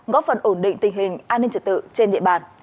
góp phần ổn định tình hình an ninh trật tự trên địa bàn